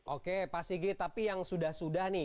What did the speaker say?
oke pak sigi tapi yang sudah sudah nih